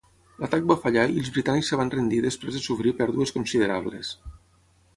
L'atac va fallar i els britànics es van rendir després de sofrir pèrdues considerables.